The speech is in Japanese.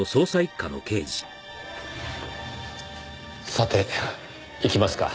さて行きますか。